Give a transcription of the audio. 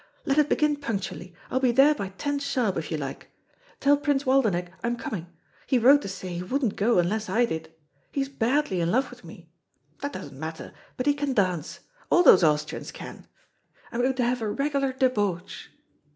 Let it begin punctually. I'll be there by ten sharp if you like. Tell Prince Waldenech I'm coming. He wrote to say he wouldn't go unless I did. He's badly in love with me. That doesn't matter, but he can dance. All those Austrians can. I'm going to have a regular debauch."